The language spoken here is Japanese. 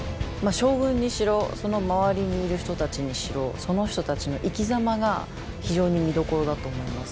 将軍にしろその周りにいる人たちにしろその人たちの生きざまが非常に見どころだと思います。